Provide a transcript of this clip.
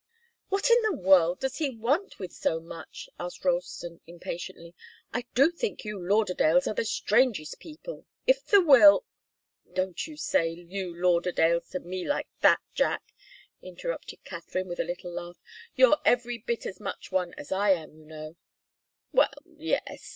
"What in the world does he want with so much?" asked Ralston, impatiently. "I do think you Lauderdales are the strangest people! If the will " "Don't say 'you Lauderdales' to me like that, Jack!" interrupted Katharine, with a little laugh. "You're every bit as much one as I am, you know " "Well yes.